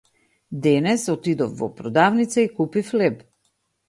Денес отидов во продавница и купив леб.